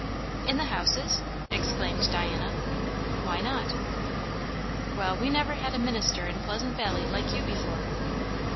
"In the houses?" exclaimed Diana. "Why not?" "Well, we never had a minister in Pleasant Valley like you before."